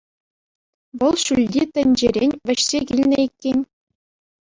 Вӑл ҫӳлти тӗнчерен вӗҫсе килнӗ иккен.